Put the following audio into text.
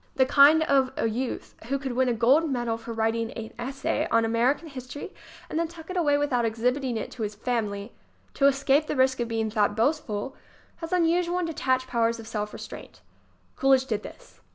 The kind of a youth who could win a gold medal for writing an essay on American history and then tuck it away without exhibiting it to his family, to escape the risk of being thought boastful, has un usual and detached powers of self restraint. Cool idge did this.